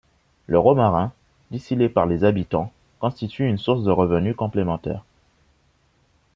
Le romarin, distillé par les habitants, constitue une source de revenus complémentaire.